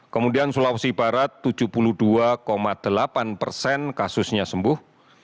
kemudian sulawesi barat tujuh puluh dua delapan persen kasusnya sembuh